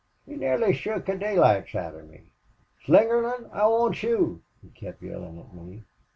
He nearly shook the daylights out of me. 'Slingerland, I want you!' he kept yellin' at me.